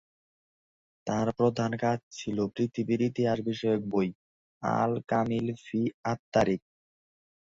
তার প্রধান কাজ ছিল পৃথিবীর ইতিহাস বিষয়ক বই "আল কামিল ফি আত তারিখ"।